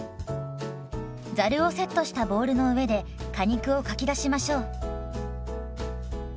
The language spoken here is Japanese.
ざるをセットしたボウルの上で果肉をかき出しましょう。